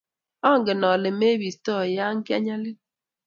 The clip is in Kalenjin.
Angen ale mebisto ya kianyalil